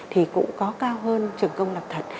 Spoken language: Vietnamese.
thì cũng có cao hơn trường công lập thật